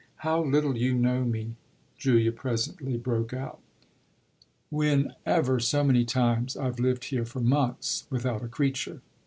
"How little you know me," Julia presently broke out, "when, ever so many times, I've lived here for months without a creature!"